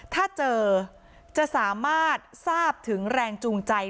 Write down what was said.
ถ้าเจอจะสามารถทราบถึงแรงจูงใจ